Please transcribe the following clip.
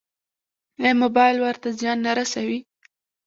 ایا موبایل ورته زیان نه رسوي؟